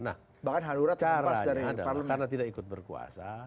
nah caranya adalah karena tidak ikut berkuasa